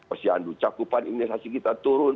usia anducakupan imunisasi kita turun